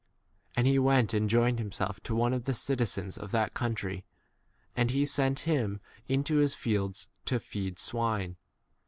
And he went and joined himself to one of the citizens of that coun try, and he sent him into his 16 fields to feed swine.